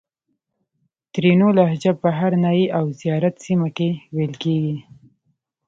ترینو لهجه په هرنایي او زیارت سیمه کښې ویل کیږي